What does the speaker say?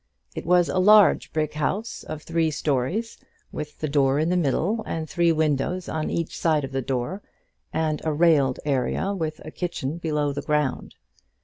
It was a large brick house of three stories, with the door in the middle, and three windows on each side of the door, and a railed area with a kitchen below the ground.